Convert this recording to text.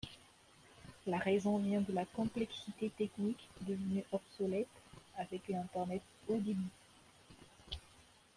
La raison vient de la complexité technique devenu obsolète avec l'internet haut-débit.